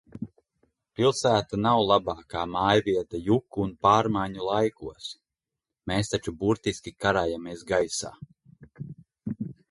Pilsēta nav labākā mājvieta juku un pārmaiņu laikos. Mēs taču burtiski karājamies gaisā.